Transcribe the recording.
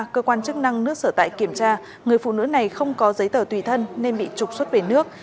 cơ quan chức năng nước sở tại kiểm tra người phụ nữ này không có giấy tờ tùy thân nên bị trục xuất về nước